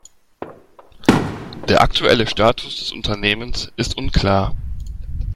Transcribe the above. Der aktuelle Status des Unternehmens ist unklar.